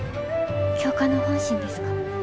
教官の本心ですか？